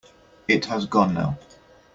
It has gone now.